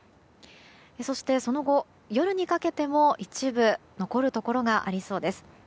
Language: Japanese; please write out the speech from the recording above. そしてその後、夜にかけても一部残るところがありそうです。